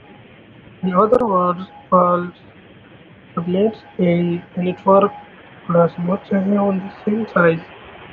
In other words, all subnets in a network class must have the same size.